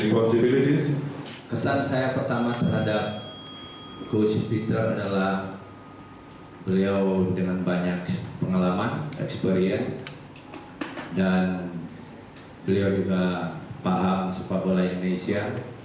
pengalaman experience dan beliau juga paham sepak bola indonesia